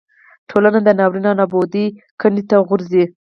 ټولنه د ناورین او نابودۍ کندې ته غورځوي.